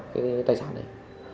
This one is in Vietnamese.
cái tài sản này